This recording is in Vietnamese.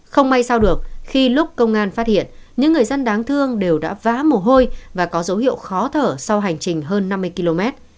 không may sau được khi lúc công an phát hiện những người dân đáng thương đều đã vá mồ hôi và có dấu hiệu khó thở sau hành trình hơn năm mươi km